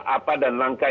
apa dan langkah